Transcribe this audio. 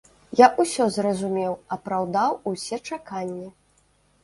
Я ўсё зразумеў, апраўдаў усе чаканні.